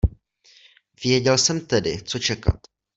Věděl jsem tedy, co čekat.